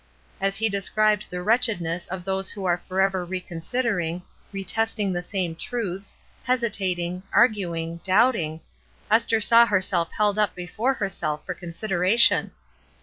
As he described the wretchedness of those who were forever reconsidering, retesting the same truths, hesitating, arguing, doubting, Esther saw herself held up before herself for consideration.